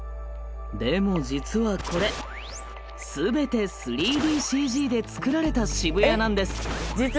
でも実はこれ全て３ＤＣＧで作られた渋谷なんです。